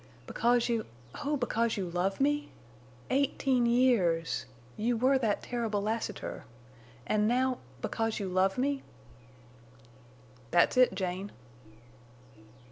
"Because you—oh, because you love me?... Eighteen years! You were that terrible Lassiter! And now—because you love me?" "That's it, Jane."